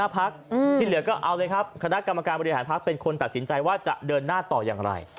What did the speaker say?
เป็นคนตัดสินใจว่าจะเดินหน้าต่อยังไร